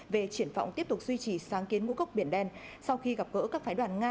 về triển vọng tiếp tục duy trì sáng kiến ngũ cốc biển đen sau khi gặp gỡ các phái đoàn nga